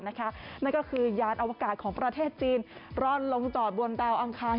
นั่นก็คือยานอวกาศของประเทศจีนร่อนลงจอดบนดาวอังคาร